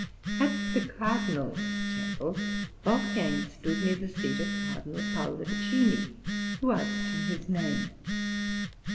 At the cardinals' table Wolfgang stood near the seat of Cardinal Pallavicini, who asked him his name.